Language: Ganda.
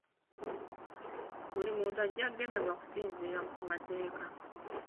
Buli muntu ajja kugemebwa okusinziira ku mateeka.